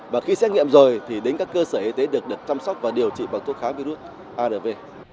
và khi xét nghiệm rồi thì đến các cơ sở y tế được chăm sóc và điều trị bằng thuốc kháng virus arv